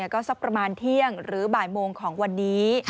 ก็สักประมาณเที่ยงหรือบ่ายโมงของวันนี้